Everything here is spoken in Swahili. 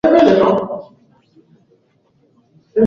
Ugonjwa wa majomoyo hutokea maeneo mengi ya Tanzania